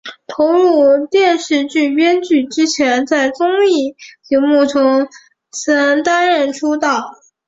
投入电视剧编剧之前在综艺节目担任出道。